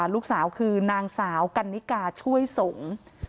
ลูกสาวคือนางสาวกันนิกาช่วยสงฆ์